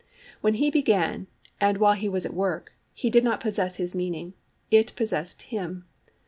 When he began and while he was at work, he did not possess his meaning; it possessed him.